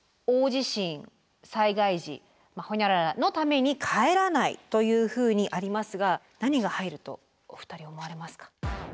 「大地震災害時○○○のために帰らない」というふうにありますが何が入るとお二人思われますか？